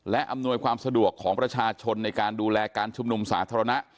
และอำนวยความสะดวกของประชาชนในการดูแลการชุมนุมสาธารณะ